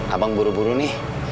abang buru buru nih